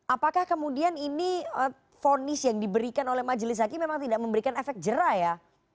apakah kemudian ini fonis yang diberikan oleh majelis hakim memang tidak memberikan efek jerah ya